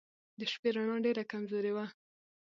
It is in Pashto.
د شپې رڼا ډېره کمزورې وه.